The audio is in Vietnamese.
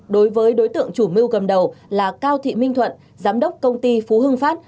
đối với đối tượng chủ mưu cầm đầu là cao thị minh thuận giám đốc công ty phú hưng phát